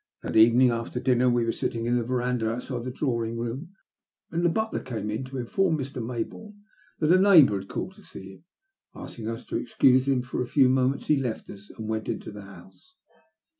That evening after dinner we were sitting in the verandah outside the drawing room, when the butler came to inform Mr. Mayboume that a neighbour had called to see him. Asking us to excuse him for a few moments he left us and went into the house.